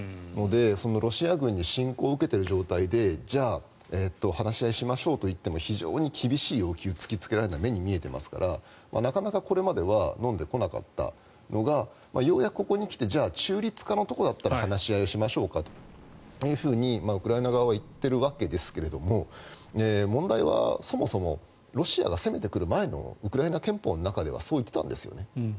なので、ロシア軍に侵攻を受けている状態で話し合いをしましょうといっても非常に厳しい要求を突きつけられるのは目に見えていますからなかなかこれまではのんでこなかったのがようやくここに来て中立化のところだったら話をしましょうかとウクライナ側は言っているわけですが問題はそもそもロシアが攻めてくる前のウクライナ憲法の中ではそう言っていたんですよね。